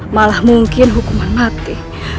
malah mungkin hukuman mati